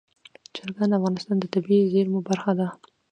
چرګان د افغانستان د طبیعي زیرمو برخه ده.